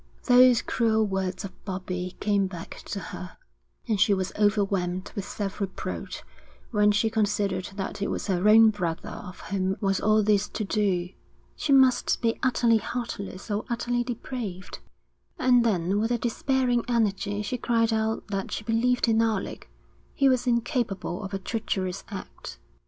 Those cruel words of Bobbie's came back to her, and she was overwhelmed with self reproach when she considered that it was her own brother of whom was all this to do. She must be utterly heartless or utterly depraved. And then with a despairing energy she cried out that she believed in Alec; he was incapable of a treacherous act.